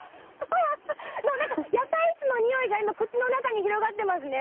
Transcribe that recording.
なんか野菜室のにおいが今、口の中に広がってますね。